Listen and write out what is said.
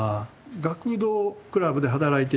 「学童クラブで働いています。